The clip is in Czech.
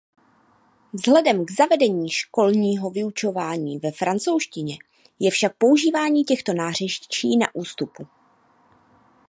Vzhledem k zavedení školního vyučování ve francouzštině je však používání těchto nářečí na ústupu.